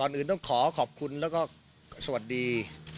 อื่นต้องขอขอบคุณแล้วก็สวัสดี